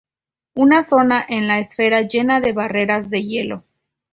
Una zona de la Esfera llena de barreras de hielo.